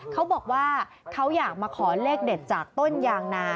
เขาบอกว่าเขาอยากมาขอเลขเด็ดจากต้นยางนา